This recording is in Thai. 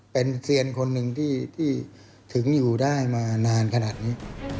เป็นเซียนคนหนึ่งที่ถึงอยู่ได้มานานขนาดนี้